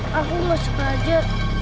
maaf aku mau sekraja